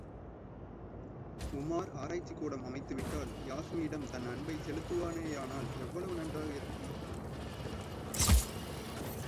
உமார் ஆராய்ச்சிக்கூடம் அமைத்துவிட்டால், யாஸ்மியிடம் தன் அன்பைச் செலுத்துவானேயானால் எவ்வளவு நன்றாக இருக்கும்.